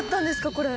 これ。